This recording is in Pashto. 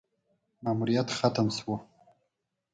ماموریت ختم شو: